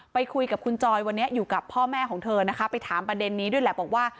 ไปคุยกับคุณจอยวันนี้อยู่กับพ่อแม่ของเธอนะคะไปถามประเด็นนี้ด้วยแหละบอกว่า